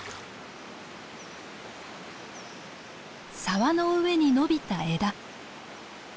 沢の上に伸びた枝。